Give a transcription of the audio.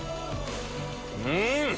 うん！